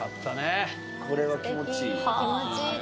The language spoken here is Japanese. これは気持ちいい。